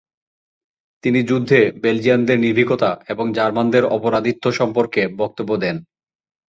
তিনি যুদ্ধে বেলজিয়ানদের নির্ভীকতা এবং জার্মানদের অপরাধিত্ব সম্পর্কে বক্তব্য দেন ।